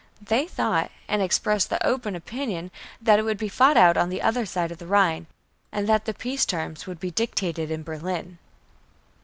They thought, and expressed the open opinion that it would be fought out on the other side of the Rhine, and that the peace terms would be dictated in Berlin.